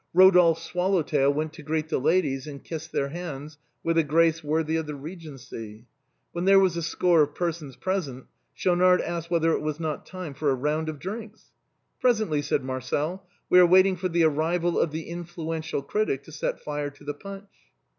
Eodolphe's swallow tail went to greet the ladies, and kissed their hands with a grace worthy of the Eegency. When there were a score of persons present, Schaunard asked whether it was not time for a round of drinks. " Presently," said Marcel. " We are waiting for the arrival of the influential critic to set fire to the punch."